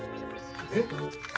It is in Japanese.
えっ？